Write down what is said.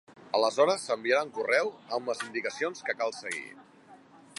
Aleshores s'enviarà un correu amb les indicacions que cal seguir.